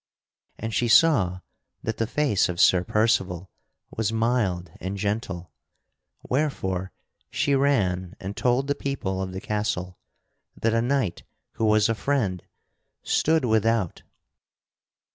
And she saw that the face of Sir Percival was mild and gentle, wherefore she ran and told the people of the castle that a knight who was a friend stood without.